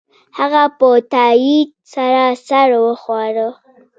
هغه په تایید سره سر وښوراوه